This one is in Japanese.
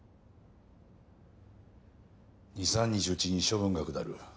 ２３日うちに処分が下る。